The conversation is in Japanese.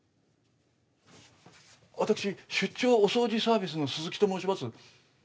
私出張お掃除サービスの鈴木と申します。